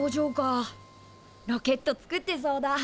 ロケット作ってそうだ。